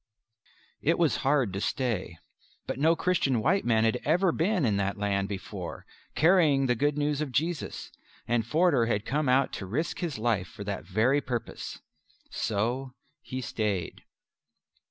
It was hard to stay. But no Christian white man had ever been in that land before carrying the Good News of Jesus, and Forder had come out to risk his life for that very purpose. So he stayed.